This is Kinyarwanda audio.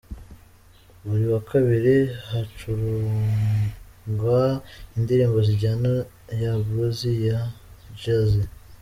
Buri wa kabiri:Hacurangwa indirimbo z’injyana ya Bluzi na Jazi.